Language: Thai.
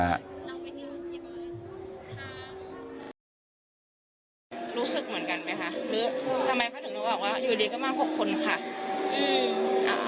เราไปที่บริบาล